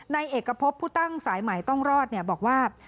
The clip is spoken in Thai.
ในเอกพบผู้ตั้งสายใหม่ต้องรอดบอกว่า